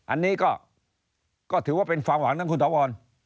อันนี้ก็ถือว่าเป็นความหวังทั้งคุณถาวร